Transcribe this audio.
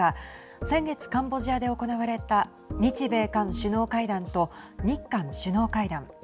先月、カンボジアで行われた日米韓首脳会談と日韓首脳会談。